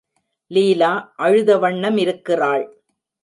லீலா அழுத வண்ணமிருக்கிறாள்.